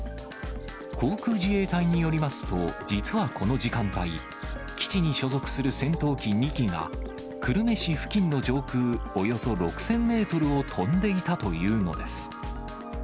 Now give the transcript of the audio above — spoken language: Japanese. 航空自衛隊によりますと、実はこの時間帯、基地に所属する戦闘機２機が、久留米市付近の上空およそ６０００メートルを飛んでいたというのです。